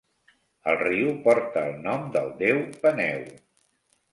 El riu porta el nom del déu Peneu.